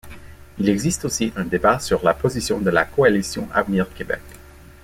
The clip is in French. Il existe aussi un débat sur la position de la Coalition avenir Québec.